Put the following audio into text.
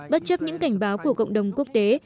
bất chấp những cảnh báo của cộng đồng quốc tế